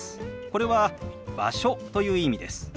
これは「場所」という意味です。